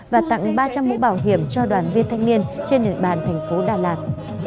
và tặng ba trăm linh mũ bảo hiểm cho đoàn viên thanh niên trên địa bàn tp đà lạt